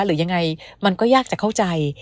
หรือยังไงมันก็ยากจะเข้าใจ